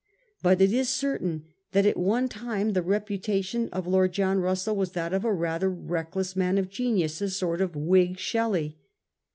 But it is certain that at one time the reputation of Lord John Russell was that of a rather reckless man of genius, a sort of Whig Shelley.